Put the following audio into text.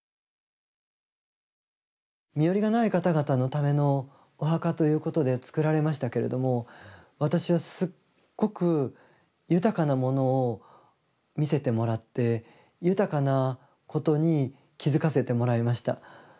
身寄りがない方々のためのお墓ということでつくられましたけれども私はすっごく豊かなものを見せてもらって豊かなことに気付かせてもらいました。